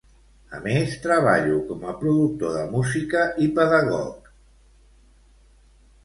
A més, treballo com a productor de música i pedagog.